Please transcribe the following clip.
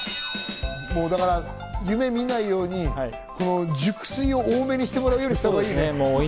夢を見ないように、熟睡を多めにしてもらうようにしたほうがいいね。